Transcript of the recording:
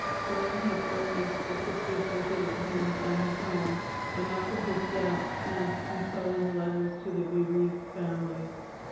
During his illness the Sisters visited him at his home, and after his death sent consoling letters to the bereaved family.